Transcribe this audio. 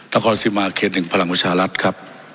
นครสิบมาร์เคหนึ่งพลังประชารัฐครับ